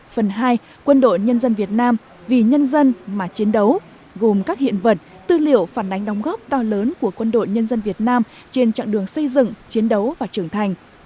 phần hai quân đội nhân dân việt nam vì nhân dân mà chiến đấu gồm các hiện vật tư liệu phản ánh đóng góp to lớn của quân đội nhân dân việt nam trên trạng đường xây dựng chiến đấu và trưởng thành